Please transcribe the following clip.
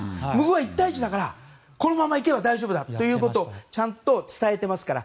１対１だからこのままいけば大丈夫だということをちゃんと伝えてますから。